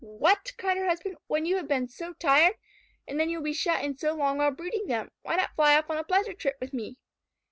"What?" cried her husband. "When you have been so tired? And then you will be shut in so long while brooding them. Why not fly off on a pleasure trip with me?"